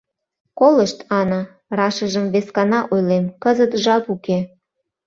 Колышт, Ана, рашыжым вескана ойлем, кызыт жап уке.